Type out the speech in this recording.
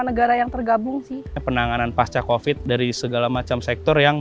saya anissa ulansari ilmu sejarah